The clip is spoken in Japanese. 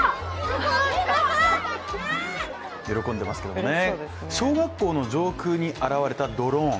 喜んでますけど、小学校の上空に現れたドローン。